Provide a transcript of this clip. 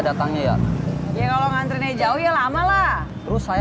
datang yaya jauh ya lama lah saya